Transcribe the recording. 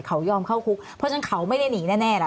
เขายอมเข้าคุกเพราะฉะนั้นเขาไม่ได้หนีแน่ล่ะ